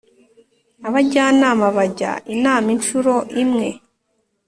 abajyanama bajya inama inshuro imwe